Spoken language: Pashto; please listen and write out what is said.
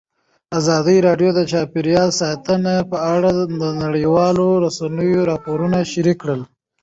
ازادي راډیو د چاپیریال ساتنه په اړه د نړیوالو رسنیو راپورونه شریک کړي.